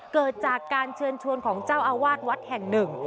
เกิดจากการเชิญชวนของเจ้าอาวาสวัดแห่งหนึ่ง